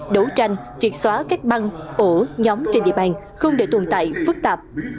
đấu tranh triệt xóa các băng ổ nhóm trên địa bàn không để tồn tại phức tạp